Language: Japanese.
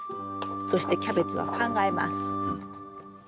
そしてキャベツは考えます。